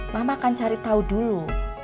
mama akan cari tahu dulu